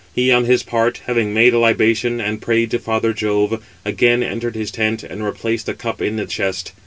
He, on his part, having made a libation and prayed to father Jove, again entered his tent, and replaced the cup in the chest.